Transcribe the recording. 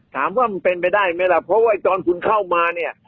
ถามว่ามันเป็นไปได้ไหมล่ะเพราะว่าตอนคุณเข้ามาเนี่ย